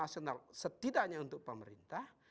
setidaknya untuk pemerintah